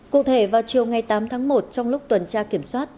cụ thể vào chiều ngày tám tháng một trong lúc tuần tra kiểm soát